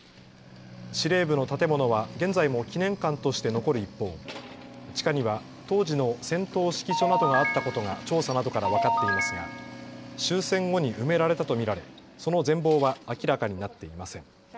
司令部の建物は現在も記念館として残る一方、地下には当時の戦闘指揮所などがあったことが調査などから分かっていますが、終戦後に埋められたと見られその全貌は明らかになっていません。